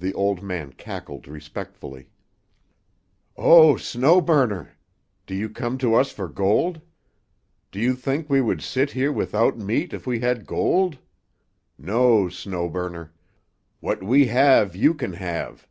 The old man cackled respectfully. "Oh, Snow Burner! Do you come to us for gold? Do you think we would sit here without meat if we had gold? No, Snow Burner. What we have you can have.